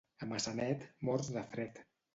A Maçanet, morts de fred.